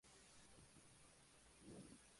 Tras esto Yui desaparece y aparece en la biblioteca.